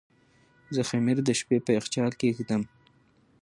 زه خمیر د شپې په یخچال کې ږدم.